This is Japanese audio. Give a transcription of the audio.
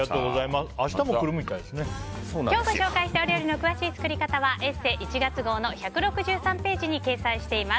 今日ご紹介した料理の詳しい作り方は「ＥＳＳＥ」１月号の１６３ページに掲載しています。